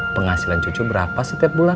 penghasilan cucu berapa setiap bulan